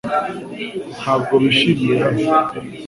Ntabwo bishimiye hano .